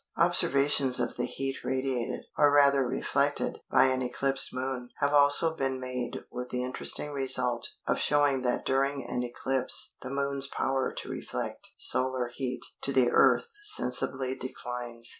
Observations of the heat radiated (or rather reflected) by an eclipsed Moon have also been made with the interesting result of showing that during an eclipse the Moon's power to reflect solar heat to the Earth sensibly declines.